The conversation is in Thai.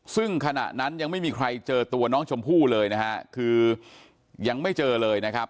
ซึ่งขณะนั้นยังไม่มีใครเจอตัวน้องชมพู่เลยนะฮะคือยังไม่เจอเลยนะครับ